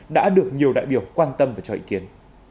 đã được nhiều đại biểu quan tâm và cho ý kiến